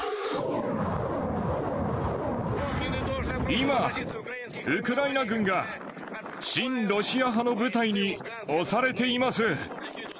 今、ウクライナ軍が、新ロシア派の部隊に押されています。